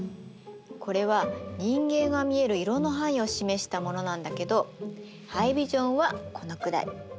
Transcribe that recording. これは人間が見える色の範囲を示したものなんだけどハイビジョンはこのくらい。